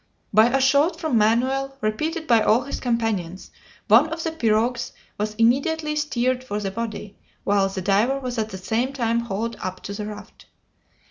By a shout from Manoel, repeated by all his companions, one of the pirogues was immediately steered for the body, while the diver was at the same time hauled up to the raft.